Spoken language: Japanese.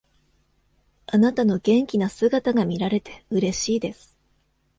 あなたの元気な姿が見られて嬉しいです。